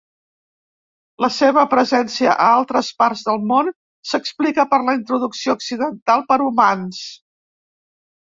La seva presència a altres parts del món s'explica per la introducció accidental per humans.